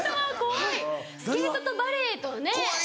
スケートとバレエとね。